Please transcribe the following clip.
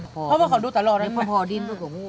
ห่อพวกเขาดูตลอดสิแล้วใบบูนพอดินก็เก๋าหมู่